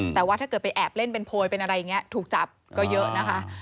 แต่ว่าถ้าเกิดไปแอบเล่นเป็นโพยเป็นอะไรอย่างนี้ถูกจับก็เยอะนะคะ